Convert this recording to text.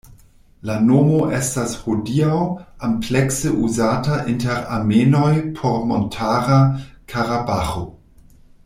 La nomo estas hodiaŭ amplekse uzata inter armenoj por Montara Karabaĥo.